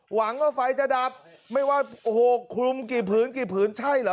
หวังว่าไฟจะดับไม่ว่าโอ้โหคลุมกี่ผืนกี่ผืนใช่เหรอ